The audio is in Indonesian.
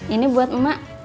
ini buat mak